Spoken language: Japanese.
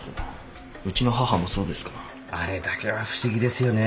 あれだけは不思議ですよね。